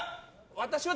私は？